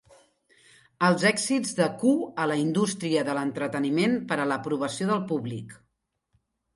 Els èxits de Ku a la indústria de l'entreteniment per a l'aprovació del públic.